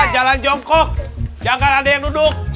jalan jongkok jangan ada yang duduk